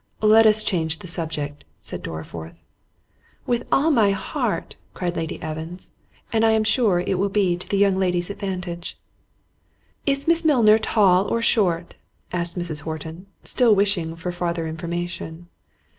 "Let us change the subject," said Dorriforth. "With all my heart," cried Lady Evans; "and I am sure it will be to the young lady's advantage." "Is Miss Milner tall or short?" asked Mrs. Horton, still wishing for farther information.